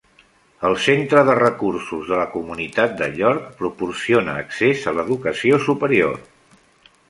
El centre de recursos de la comunitat de York proporciona accés a l'educació superior.